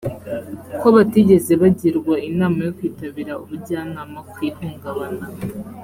ko batigeze bagirwa inama yo kwitabira ubujyanama ku ihungabana .